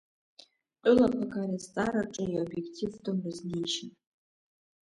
Тәылақәак ари азҵаараҿы иобиективтәым рызниешьа…